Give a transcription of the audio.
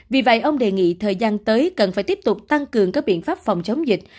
vì vậy ông đề nghị thời gian tới cần phải tiếp tục tăng cường các biện pháp phòng chống dịch